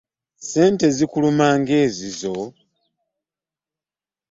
Ssente zikuluma ng'ezizo!